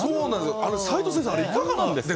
齋藤先生、いかがなんですか？